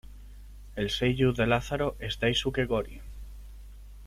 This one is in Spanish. El seiyuu de Lázaro es Daisuke Gori.